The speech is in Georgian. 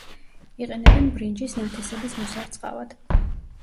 იყენებენ ბრინჯის ნათესების მოსარწყავად.